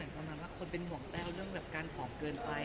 ต้นทำแบบว่าคนเป็นห่วงแต่เล่นเรื่องการผอมเกินไป